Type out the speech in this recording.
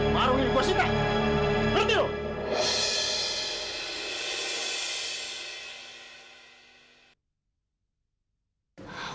warung ini gue sitah